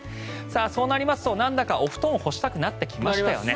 そうなりますとなんだかお布団を干したくなってきますよね。